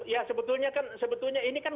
ya sebetulnya kan sebetulnya ini kan